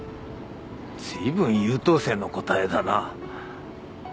随分優等生の答えだな。